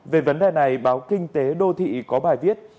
về vấn đề này báo kinh tế đô thị có bài viết